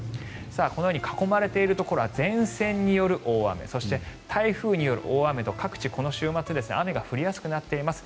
このように囲まれているところは前線による大雨そして台風による大雨と各地、この週末雨が降りやすくなっています。